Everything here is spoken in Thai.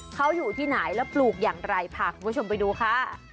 เขาอยู่ที่ไหนแล้วปลูกอย่างไรพาคุณผู้ชมไปดูค่ะ